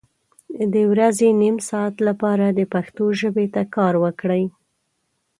د ورځې نیم ساعت لپاره د پښتو ژبې ته کار وکړئ